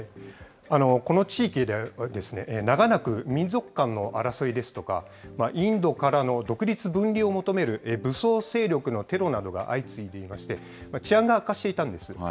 この地域では、長らく民族間の争いですとか、インドからの独立分離を求める武装勢力のテロなどが相次いでいまして、治安が悪化していたんです。